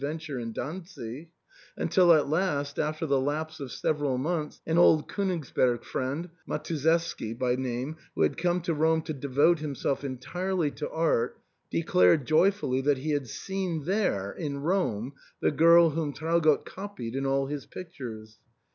venture in Dantzic, until at last, after the lapse of sev eral months, an old KSnigsberg friend, Matuszewski by name, who had come to Rome to devote himself entirely to art, declared joyfully that he had seen there — in Rome, the girl whom Traugott copied in all his pictures.